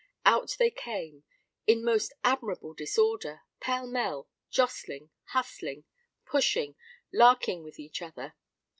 Out they came—in most admirable disorder—pell mell—jostling, hustling, pushing, larking with each other.